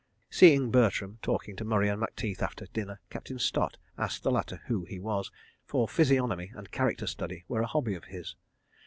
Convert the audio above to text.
Seeing Bertram talking to Murray and Macteith after dinner, Captain Stott asked the latter who he was, for physiognomy and character study were a hobby of his.